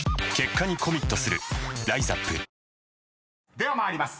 ［では参ります。